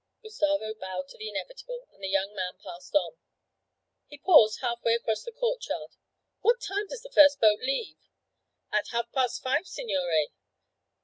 Gustavo bowed to the inevitable; and the young man passed on. He paused half way across the courtyard. 'What time does the first boat leave?' 'At half past five, signore.'